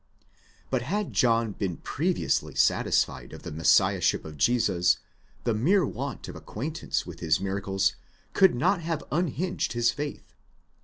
But had John been previously satisfied of the Messiahship of Jesus, the mere want of acquaintance with his miracles could not have unhinged his faith.